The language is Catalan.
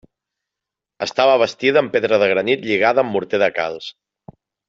Estava bastida amb pedra de granit lligada amb morter de calç.